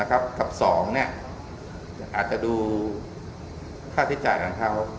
กับสองอาจจะดูค่าที่จ่ายของเขา